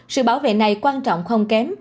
sự bảo vệ này quan trọng không kém